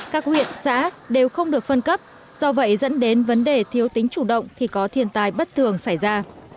các huyện xã đều không được phân cấp do vậy dẫn đến vấn đề thiếu tính chủ động thì có thiên tai bất thường xảy ra